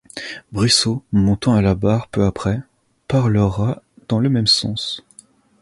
Brissot, montant à la barre peu après, parlera dans le même sens.